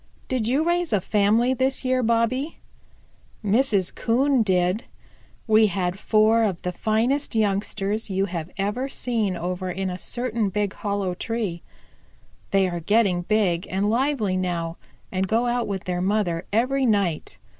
Did you raise a family this year, Bobby?" "Mrs. Coon did. We had four of the finest youngsters you have ever seen over in a certain big hollow tree. They are getting big and lively now, and go out with their mother every night.